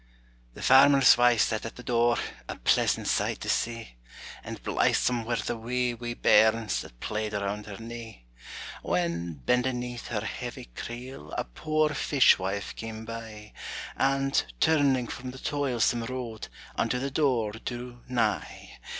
The farmer's wife sat at the door, A pleasant sight to see; And blithesome were the wee, wee bairns That played around her knee. When, bending 'neath her heavy creel, A poor fish wife came by, And, turning from the toilsome road, Unto the door drew nigh.